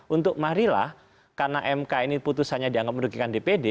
untuk marilah karena mk ini putusannya dianggap merugikan dpd